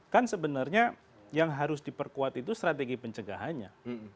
kan sebenarnya yang harus diperkuat itu strategi pencegahannya